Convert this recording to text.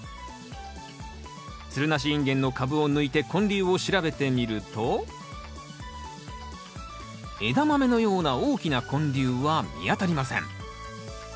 つるなしインゲンの株を抜いて根粒を調べてみるとエダマメのような大きな根粒は見当たりません。